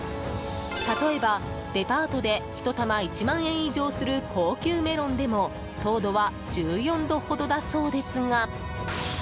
例えば、デパートで１玉１万円以上する高級メロンでも糖度は１４度ほどだそうですが。